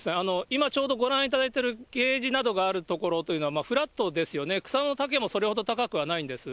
今ちょうどご覧いただいているゲージなどがある所というのは、フラットですよね、草の丈もそれほど高くはないんです。